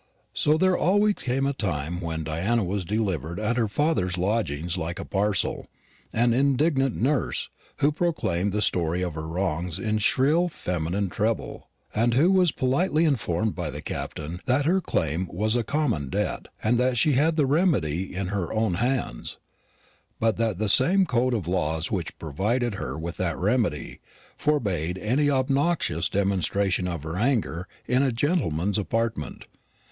So there always came a time when Diana was delivered at her father's lodgings like a parcel, by an indignant nurse, who proclaimed the story of her wrongs in shrill feminine treble, and who was politely informed by the Captain that her claim was a common debt, and that she had the remedy in her own hands, but that the same code of laws which provided her with that remedy, forbade any obnoxious demonstration of her anger in a gentleman's apartment.